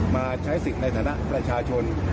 มาใช้สิทธิ์ในฐานะประชาชน